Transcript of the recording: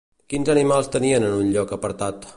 Quins animals tenien en un lloc apartat?